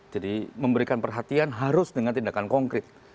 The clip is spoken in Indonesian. jadi memberikan perhatian harus dengan tindakan konkret